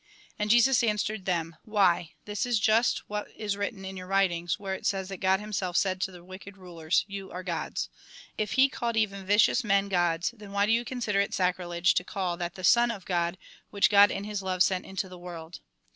And Jesus answered them: "Why, this is just what is written in your writings, where it says that God Himself said to the wicked rulers :' You are gods.' If He called even vicious men gods, then why do you consider it sacrilege to call that the son of God, which God in His love sent into the world